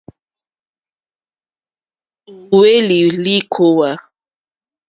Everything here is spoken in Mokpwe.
Ò hwélì lìkòówá.